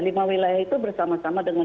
lima wilayah itu bersama sama dengan